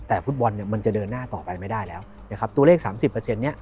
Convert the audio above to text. แต่ฟุตบอลเนี่ยมันจะเดินหน้าต่อไปไม่ได้แล้วนะครับตัวเลขสามสิบเปอร์เซ็นต์เนี่ย